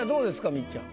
みっちゃん。